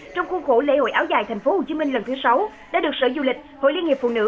trong khuôn khổ lễ hội áo dài thành phố hồ chí minh lần thứ sáu đã được sở du lịch hội liên nghiệp phụ nữ